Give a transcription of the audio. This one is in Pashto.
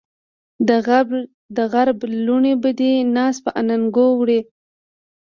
دغرب لوڼې به دې ناز په اننګو وړي